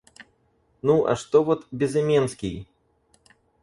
Ну, а что вот Безыменский?!